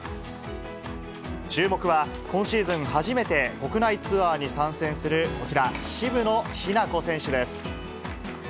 注目は、今シーズン初めて国内ツアーに参戦するこちら、渋野日向子選手です。